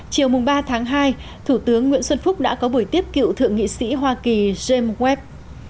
chiều ba tháng hai thủ tướng nguyễn xuân phúc đã có buổi tiếp cựu thượng nghị sĩ hoa kỳ james wev